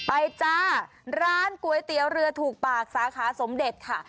จ้าร้านก๋วยเตี๋ยวเรือถูกปากสาขาสมเด็จค่ะ